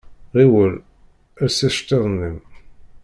Ɣiwel els iceṭṭiḍen-im.